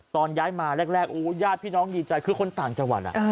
ตอนย้ายมาแรกญาติพี่น้องดีใจคือคนต่างจังหวัด